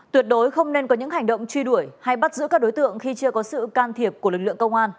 tuyệt đối không nên có những hành động truy đuổi hay bắt giữ các đối tượng khi chưa có sự can thiệp của lực lượng công an